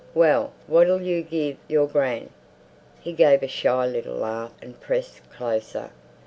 "Well, what'll you give your gran?" He gave a shy little laugh and pressed closer.